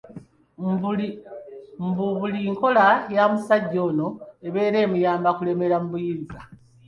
Mbuli nkola ya musajja ono ebeera emuyamba kulemera mu buyinza.